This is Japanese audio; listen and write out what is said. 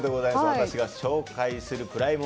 私が紹介するプライム